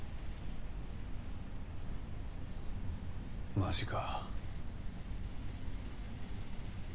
マジか。